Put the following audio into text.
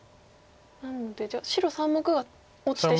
なのでじゃあ白３目が落ちてしまう？